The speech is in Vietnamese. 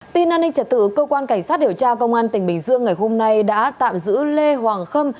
tin an ninh trật tự cơ quan cảnh sát điều tra công an tỉnh bình dương ngày hôm nay đã tạm giữ lê hoàng khâm